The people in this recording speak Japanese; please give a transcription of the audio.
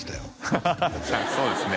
ハハハッはいそうですね